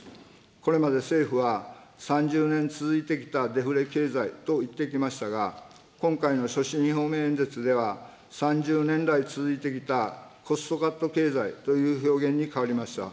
これまで政府は、３０年続いてきたデフレ経済と言ってきましたが、今回の所信表明演説では、３０年来続いてきたコストカット経済という表現に変わりました。